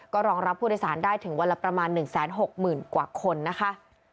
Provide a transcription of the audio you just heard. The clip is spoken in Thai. ก็รองรับผู้โดยสารได้ถึงวันละประมาณ๑๖๐๐๐กว่าคนนะคะ